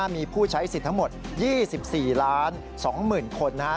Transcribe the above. มีผู้ใช้สิทธิ์ทั้งหมด๒๔๒๐๐๐คนนะครับ